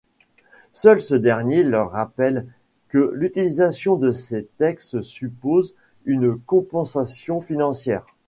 Seul ce dernier leur rappelle que l'utilisation de ses textes suppose une compensation financière.